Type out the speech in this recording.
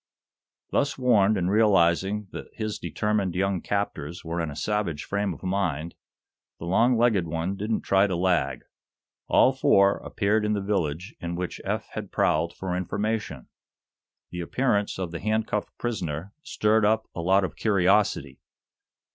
Thus warned, and realizing that his determined young captors were in a savage frame of mind, the long legged one didn't try to lag. All four appeared in the village in which Eph had prowled for information. The appearance of the handcuffed prisoner stirred up a lot of curiosity.